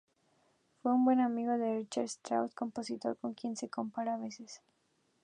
Fue un buen amigo de Richard Strauss, compositor con quien se compara a veces.